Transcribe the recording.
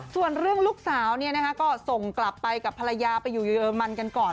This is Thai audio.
ส่วนเรื่องลูกสาวก็ส่งกลับไปกับภรรยาไปอยู่เยอรมันกันก่อน